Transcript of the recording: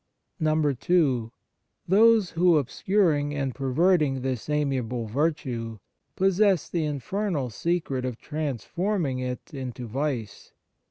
(2) Those who, obscuring and perverting this amiable virtue, possess the infernal secret of transforming it into vice.